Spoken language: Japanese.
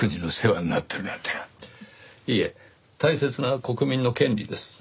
いえ大切な国民の権利です。